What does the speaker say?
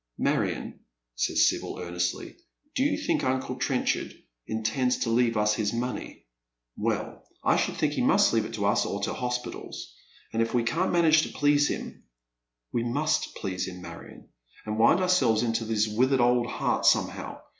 " Marion," says Sibyl, earnestly, "do you think uncle Trenchard intends to leave us his money ?"" Well, I should think he must leave it to us or to hospitals j and if we can manage to please him " "We must please him, Marion, and wind ourselves into his withered old heart somehow.